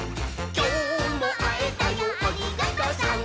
「きょうもあえたよありがとさん！」